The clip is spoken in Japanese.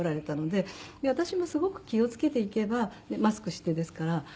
で私もすごく気を付けていけばマスクしてですから。